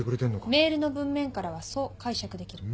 メールの文面からはそう解釈できる。